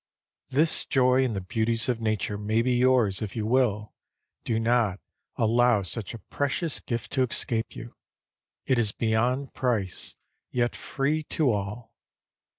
This joy in the beauties of Nature may be yours if you will; do not allow such a precious gift to escape you. It is beyond price, yet free to all.